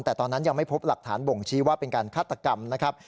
แต่ตอนนั้นยังไม่พบหลักฐานบ่งชี้ว่าเป็นการฆาตกรรมนะครับ